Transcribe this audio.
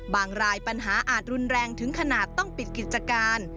รายปัญหาอาจรุนแรงถึงขนาดต้องปิดกิจการ